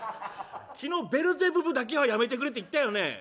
昨日ベルゼブブだけはやめてくれって言ったよね！